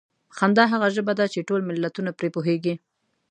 خندا هغه ژبه ده چې ټول ملتونه پرې پوهېږي.